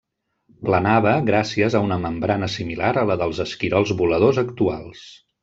Planava gràcies a una membrana similar a la dels esquirols voladors actuals.